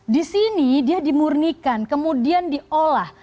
di sini dia dimurnikan kemudian diolah